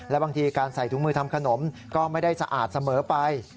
และบางทีการใส่ถุงมือทำขนมก็ไม่ได้สะอาดเสมอไป